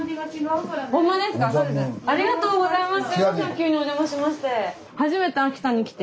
急におじゃましまして。